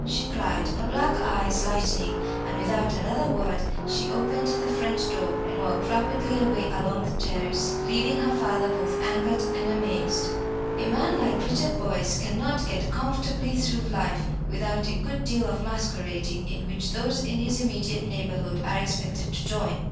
she cried, her black eyes lightening, and without another word she opened the French window and walked rapidly away along the terrace, leaving her father both angered and amazed. A man like Richard Boyce cannot get comfortably through life without a good deal of masquerading in which those in his immediate neighbourhood are expected to join.